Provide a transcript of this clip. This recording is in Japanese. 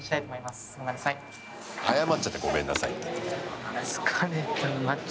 謝っちゃった「ごめんなさい」って。